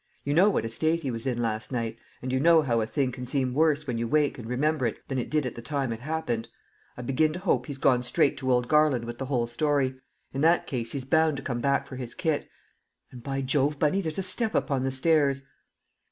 You know what a state he was in last night, and you know how a thing can seem worse when you wake and remember it than it did at the time it happened. I begin to hope he's gone straight to old Garland with the whole story; in that case he's bound to come back for his kit; and by Jove, Bunny, there's a step upon the stairs!"